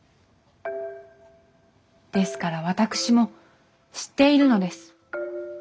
ですから私も知っているのです。